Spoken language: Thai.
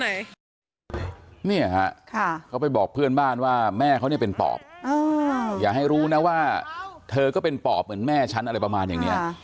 เนี่ยฮะเขาไปบอกเพื่อนบ้านว่าแม่เขาเนี่ยเป็นปอบอย่าให้รู้นะว่าเธอก็เป็นปอบเหมือนแม่ฉันอะไรประมาณอย่างนี้